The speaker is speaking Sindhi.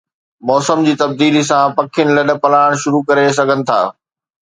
موسم جي تبديلي سان، پکي لڏپلاڻ شروع ڪري سگھن ٿا